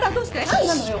何なのよ。